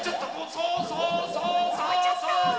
そうそうそうそうそう！